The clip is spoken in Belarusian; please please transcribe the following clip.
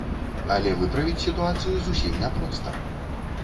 Але выправіць сітуацыю зусім няпроста.